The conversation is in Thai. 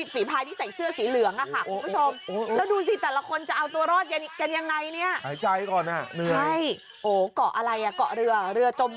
ฝีพายที่ใส่เสื้อสีเหลืองค่ะคุณผู้ชม